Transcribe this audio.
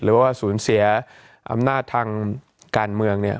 หรือว่าสูญเสียอำนาจทางการเมืองเนี่ย